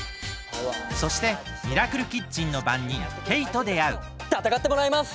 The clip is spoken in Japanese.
そしてミラクルキッチンのばんにんケイとであうたたかってもらいます！